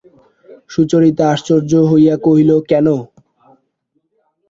সুচরিতা আশ্চর্য হইয়া কহিল, কেন?